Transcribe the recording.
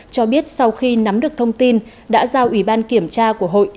cho biết sau khi nắm được thông tin đã giao ủy ban kiểm tra của hội